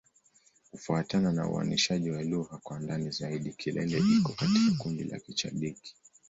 Kufuatana na uainishaji wa lugha kwa ndani zaidi, Kilele iko katika kundi la Kichadiki.